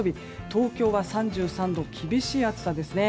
東京は３３度と厳しい暑さですね。